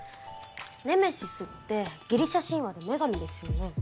「ネメシス」ってギリシャ神話で「女神」ですよね。